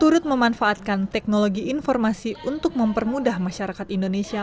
turut memanfaatkan teknologi informasi untuk mempermudah masyarakat indonesia